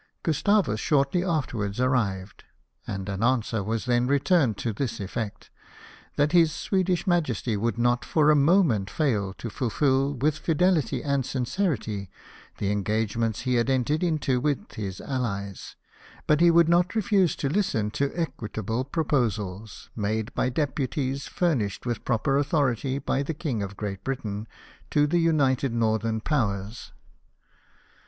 Gustavus shortly afterwards arrived, and an answer was then returned to this effect :" That his Swedish Majesty would not for a moment DEPARTURE FOR REVEL. 255 fail to fulfil, with fidelity and ^sincerity, the engage ments he had entered into with his allies ; but he would not refuse to Hsten to equitable proposals, made by deputies furnished with proper authority by the King of Great Britain to the united Northern Powers."